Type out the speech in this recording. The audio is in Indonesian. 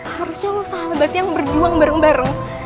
harusnya lo salah lebat yang berjuang bareng bareng